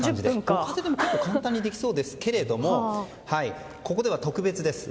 ご家庭でも簡単にできそうですけどここでは特別です。